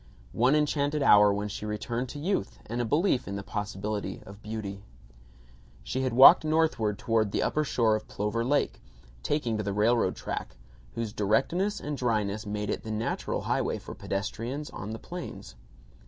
One enchanted hour when she returned to youth and a belief in the possibility of beauty. She had walked northward toward the upper shore of Plover Lake, taking to the railroad track, whose directness and dryness make it the natural highway for pedestrians on the plains.